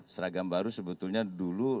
seragam baru sebetulnya dulu